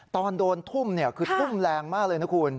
ตอนโดนทุ่มคือทุ่มแรงมากเลยนะคุณ